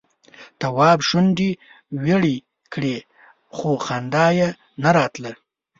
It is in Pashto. تواب شونډې ويړې کړې خو خندا یې نه راتله.